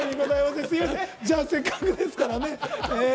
じゃあ、せっかくですからね。